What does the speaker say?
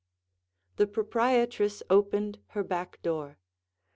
The proprietress opened her back door.